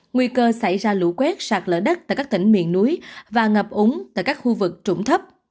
nguy cơ xảy ra lũ quét sạt lỡ đất tại các tỉnh miền núi và ngập úng tại các khu vực trũng thấp